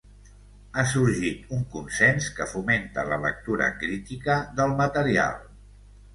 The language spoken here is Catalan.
Ha sorgit un consens que fomenta la lectura crítica del material.